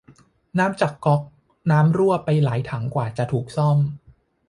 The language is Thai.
น้ำจากก๊อกน้ำรั่วไปหลายถังกว่าจะถูกซ่อม